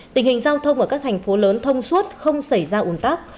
tình hình giao thông ở các thành phố lớn thông suốt không xảy ra ủn tắc